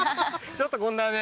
ちょっとこんなね